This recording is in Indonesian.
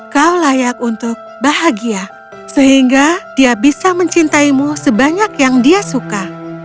kau layak untuk bahagia sehingga dia bisa mencintaimu sebanyak yang dia suka